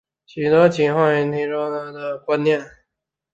许多企划已经提出湖泊登陆载具的观念。